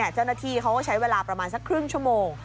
เจ้านักฐีเค้าใช้เวลาประมาณสักครึ่งชั่วโมง